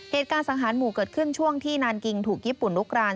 สังหารหมู่เกิดขึ้นช่วงที่นานกิงถูกญี่ปุ่นลุกราน